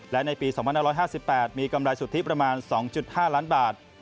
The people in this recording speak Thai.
และในปี๒๕๕๘มีกำไรสุทธิประมาณ๒๕ล้านบาท